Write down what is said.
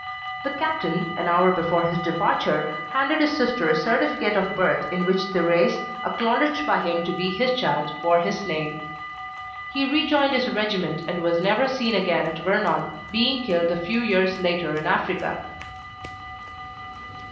The Captain, an hour before his departure, handed his sister a certificate of birth in which Thérèse, acknowledged by him to be his child, bore his name. He rejoined his regiment, and was never seen again at Vernon, being killed a few years later in Africa.